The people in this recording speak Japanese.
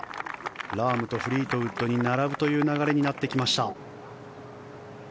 ラームとフリートウッドに並ぶという流れになってきました。